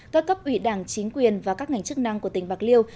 các cấp ủy đảng chính quyền và các ngành chức năng của tỉnh bạc liêu